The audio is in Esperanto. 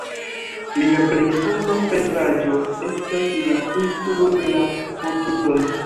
Lia plej fama pentraĵo estas "La Insulo de la Mortintoj".